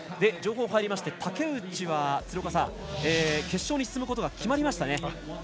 情報が入りまして竹内は決勝に進むことが決まりました。